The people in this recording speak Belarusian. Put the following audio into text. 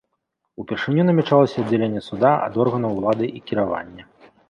Упершыню намячалася аддзяленне суда ад органаў улады і кіравання.